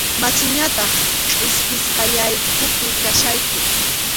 Machuñataq qʼipisqallaykupi kachkayku.